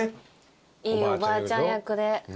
いいおばあちゃん役で。